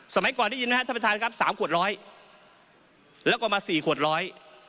สมัยก่อนได้ยินไหมครับท่านประธานครับสามขวดร้อยแล้วก็มาสี่ขวดร้อย